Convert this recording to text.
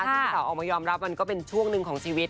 ซึ่งพี่สาวออกมายอมรับมันก็เป็นช่วงหนึ่งของชีวิต